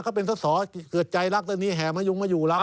เขาเป็นสะสอเกือบใจรักตัวนี้แห่มหายุงมาอยู่รัก